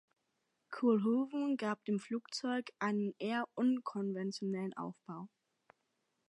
Koolhoven gab dem Flugzeug einen eher unkonventionellen Aufbau.